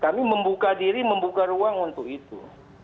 kami membuka diri membuka ruang untuk itu